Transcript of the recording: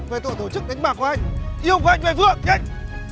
về tổ chức đánh bạc của anh yêu của anh về phường nhanh